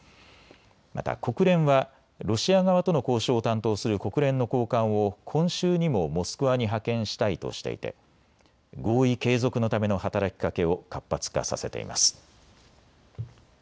また国連はロシア側との交渉を担当する国連の高官を今週にもモスクワに派遣したいとしていて合意継続のための働きかけを活発化させています。